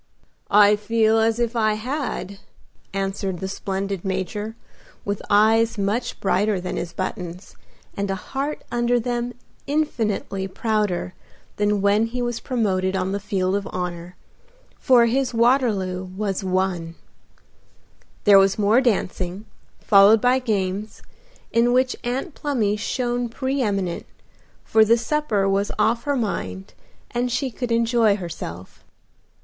"I feel as if I had," answered the splendid Major, with eyes much brighter than his buttons, and a heart under them infinitely prouder than when he was promoted on the field of honor, for his Waterloo was won. There was more dancing, followed by games, in which Aunt Plumy shone pre eminent, for the supper was off her mind and she could enjoy herself.